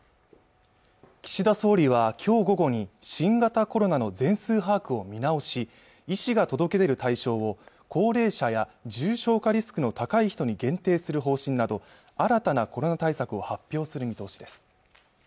岸田総理は今日午後に新型コロナの全数把握を見直し医師が届け出る対象を高齢者や重症化リスクの高い人に限定する方針など新たな雇用対策を発表する見通しです